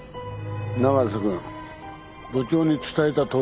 永瀬君部長に伝えたとおりだ。